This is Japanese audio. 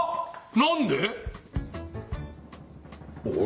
何で？